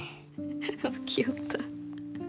起きよった。